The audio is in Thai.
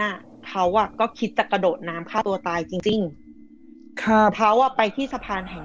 อ่ะเขาอ่ะก็คิดจะกระโดดน้ำฆ่าตัวตายจริงจริงครับเขาอ่ะไปที่สะพานแห่ง